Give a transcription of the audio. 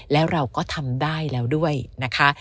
แล้วเราก็ทำได้แล้วด้วยนะคะ